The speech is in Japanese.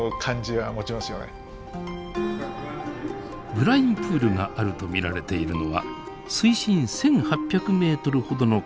ブラインプールがあると見られているのは水深１，８００ｍほどの海底です。